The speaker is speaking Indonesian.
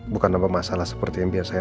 bukan nampak masalah seperti yang biasa